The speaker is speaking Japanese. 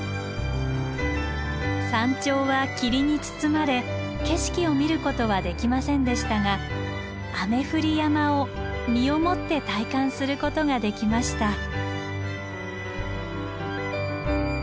山頂は霧に包まれ景色を見ることはできませんでしたが「雨降り山」を身をもって体感することができました。